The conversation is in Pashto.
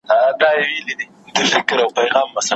راسه که مي وینې ما لېمه درته فرش کړي دي